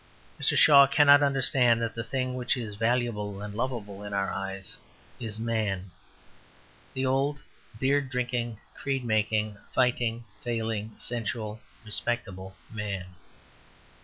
Mr. Shaw cannot understand that the thing which is valuable and lovable in our eyes is man the old beer drinking, creed making, fighting, failing, sensual, respectable man.